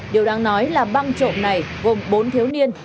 điều đáng nói là băng trộm này gồm bốn thiếu niên